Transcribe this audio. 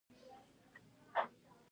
سیندونه د افغانستان یوه طبیعي ځانګړتیا ده.